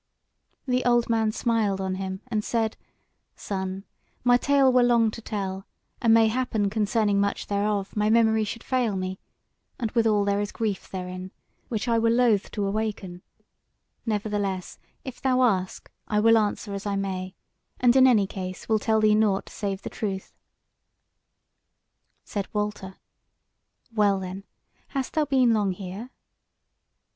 The old man smiled on him and said: "Son, my tale were long to tell; and mayhappen concerning much thereof my memory should fail me; and withal there is grief therein, which I were loth to awaken: nevertheless if thou ask, I will answer as I may, and in any case will tell thee nought save the truth." Said Walter: "Well then, hast thou been long here?"